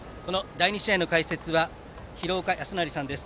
第２試合の解説は廣岡資生さんです。